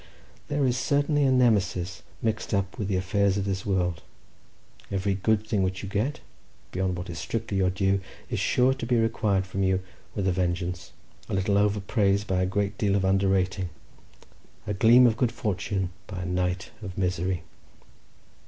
There is certainly a Nemesis mixed up with the affairs of this world; every good thing which you get, beyond what is strictly your due, is sure to be required from you with a vengeance. A little over praise by a great deal of under rating—a gleam of good fortune by a night of misery."